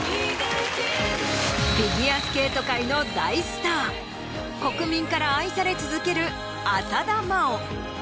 フィギュアスケート界の大スター国民から愛され続ける。